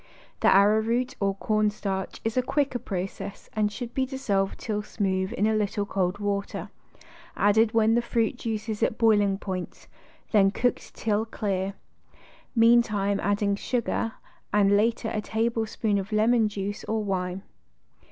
The ar rowroot or cornstarch is a quicker process and should be dissolved till smooth in a little cold water, added when the fruit juice is at boiling point, then cooked till clear; mean time adding sugar, and later a tablespoon of lemon juice or wine.